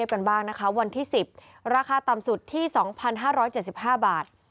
ส่วนวันที่๑๐ราคาต่ำสุด๒๕๗๕บาท